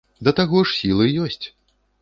Да таго ж сілы ёсць.